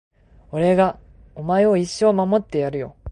俺がお前を一生守ってやるよ